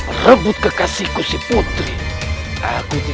untuk kejayaan paduka raja